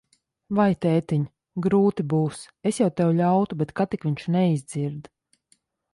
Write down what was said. Vai, tētiņ, grūti būs. Es jau tev ļautu, bet ka tik viņš neizdzird.